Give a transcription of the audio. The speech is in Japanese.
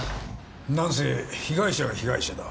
何せ被害者が被害者だ。